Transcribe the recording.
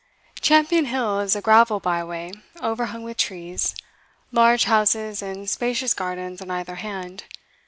Champion Hill is a gravel byway, overhung with trees; large houses and spacious gardens on either hand.